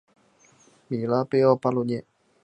米拉贝奥巴罗涅。